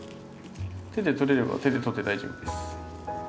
手で取れれば手で取って大丈夫です。